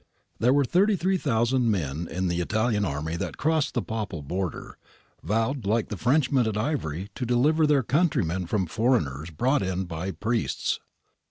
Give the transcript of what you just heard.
There were 33,000 men in the Italian army that crossed the Papal border, vowed like the Frenchmen at Ivry to deliver their countrymen from foreigners brought in by priests.